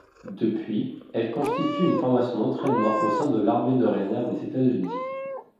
Depuis, elle constitue une formation d'entraînement au sein de l'Armée de réserve des États-Unis.